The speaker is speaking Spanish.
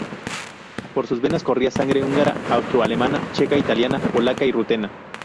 Por sus venas corría sangre húngara, austro-alemana, checa, italiana, polaca y rutena.